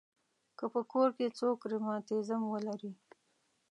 که په کور کې څوک رماتیزم ولري.